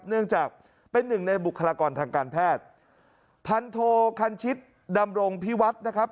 เนื่องจากเป็นหนึ่งในบุคลากรทางการแพทย์พันโทคันชิตดำรงพิวัฒน์นะครับ